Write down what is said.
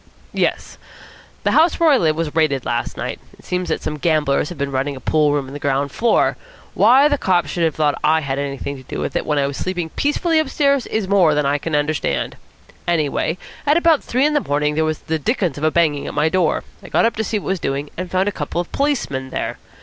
"Yes. The house where I live was raided late last night. It seems that some gamblers have been running a pool room on the ground floor. Why the cops should have thought I had anything to do with it, when I was sleeping peacefully upstairs, is more than I can understand. Anyway, at about three in the morning there was the dickens of a banging at my door. I got up to see what was doing, and found a couple of Policemen there.